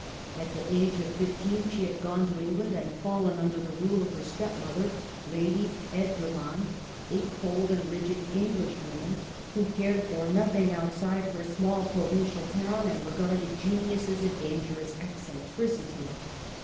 At the age of fifteen she had gone to England, and fallen under the rule of her stepmother, Lady Edgermond, a cold and rigid Englishwoman, who cared for nothing out Digitized by VjOOQIC 230 MADAME DE STAML. side her small provincial town, and regarded genius as a dangerous eccentricity.